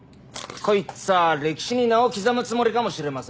こいつは歴史に名を刻むつもりかもしれませんぜ。